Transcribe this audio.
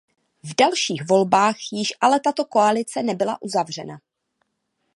V dalších volbách již ale tato koalice nebyla uzavřena.